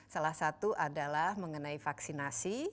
salah satu adalah mengenai vaksinasi